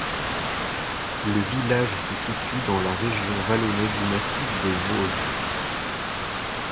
Le village se situe dans la région vallonnée du massif des Vosges.